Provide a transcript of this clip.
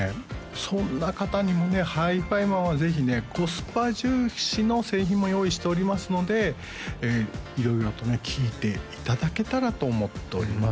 そんな方にもねＨＩＦＩＭＡＮはぜひねコスパ重視の製品も用意しておりますので色々とね聴いていただけたらと思っております